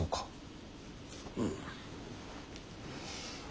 うん。